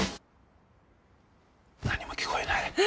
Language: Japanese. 何も聞こえない。